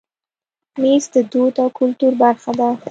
مېز د دود او کلتور برخه ده.